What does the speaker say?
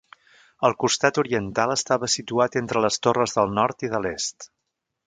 El costat oriental estava situat entre les torres del nord i de l'est.